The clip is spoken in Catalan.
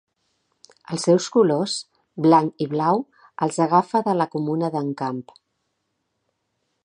Els seus colors blanc i blau els agafa de la comuna d'Encamp.